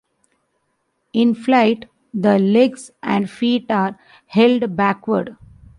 In flight, the legs and feet are held backward.